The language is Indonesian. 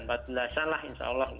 empat belasan lah insya allah